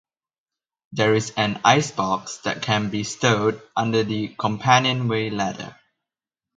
There is an ice box that can be stowed under the companionway ladder.